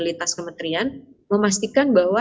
litas kementerian memastikan bahwa